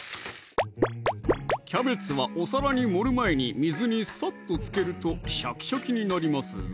キャベツはお皿に盛る前に水にさっとつけるとシャキシャキになりますぞ